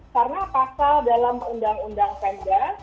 karena pasal dalam undang undang penda